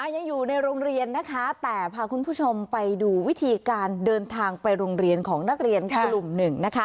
ยังอยู่ในโรงเรียนนะคะแต่พาคุณผู้ชมไปดูวิธีการเดินทางไปโรงเรียนของนักเรียนกลุ่มหนึ่งนะคะ